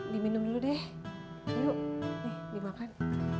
diminum dulu deh yuk dimakan